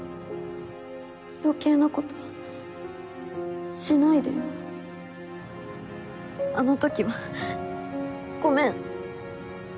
余計なことしないでよあの時はごめん。